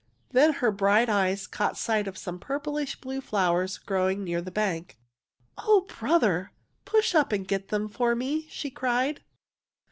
Then her bright eyes caught sight of some purplish blue flowers growing near the bank. " Oh, brother, push up and get them for me! " she cried.